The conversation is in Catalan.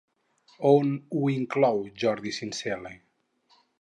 On ho inclou Jordi Sincel·le?